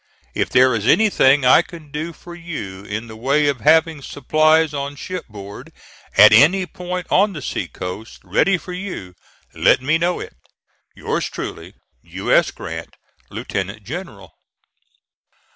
If there is anything I can do for you in the way of having supplies on ship board, at any point on the sea coast, ready for you, let me know it. Yours truly, U. S. GRANT, Lieut. General.